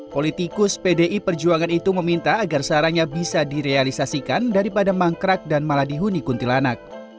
politikus pdi perjuangan itu meminta agar sarannya bisa direalisasikan daripada mangkrak dan malah dihuni kuntilanak